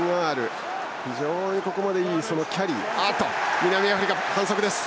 南アフリカ、反則です。